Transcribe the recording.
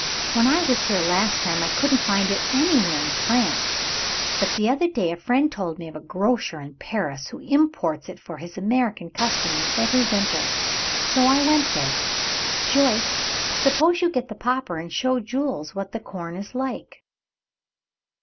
"When I was here last time, I couldn't find it anywhere in France; but the other day a friend told me of a grocer in Paris, who imports it for his American customers every winter. So I went there. Joyce, suppose you get the popper and show Jules what the corn is like."